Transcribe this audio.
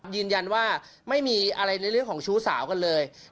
ยืนยันว่าไม่มีอะไรในเรื่องของชู้สาวกันเลย